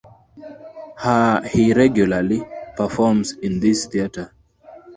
He regularly performs in this theatre.